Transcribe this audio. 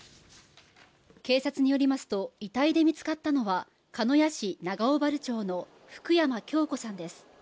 警察によりますと遺体で見つかったのは鹿屋市永小原町の福山京子さんです。